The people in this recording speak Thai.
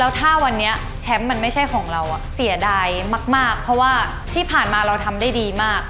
ถ้าวันนี้แชมป์มันไม่ใช่ของเราเสียดายมากเพราะว่าที่ผ่านมาเราทำได้ดีมาก